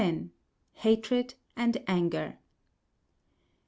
HATRED AND ANGER.